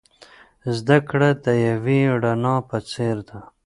زده کړه د یوې رڼا په څیر ده.